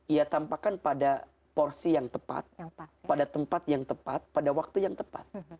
ia tampakkan pada porsi yang tepat pada tempat yang tepat pada waktu yang tepat